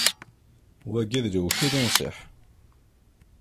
Wagi d lewkil unṣiḥ.